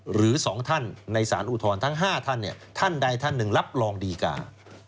หรือ๒ท่านในสารอุทธรณ์ทั้ง๕ท่านท่านใดท่านหนึ่งรับรองดีการ